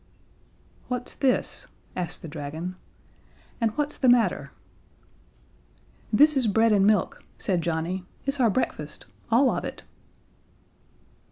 "What's this?" asked the dragon. "And what's the matter?" "This is bread and milk," said Johnnie; "it's our breakfast all of it."